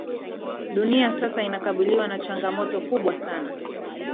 Dunia sasa inakabiliwa na changamoto kubwa sana